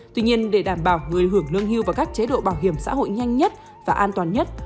tuy nhiên để đảm bảo người hưởng lương hưu và các chế độ bảo hiểm xã hội nhanh nhất và an toàn nhất